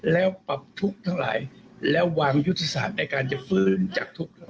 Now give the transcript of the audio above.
แล้วปรับทุกข์ทั้งหลายแล้ววางยุทธศาสตร์ในการจะฝืนจากทุก